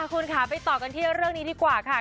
คุณค่ะไปต่อกันที่เรื่องนี้ดีกว่าค่ะ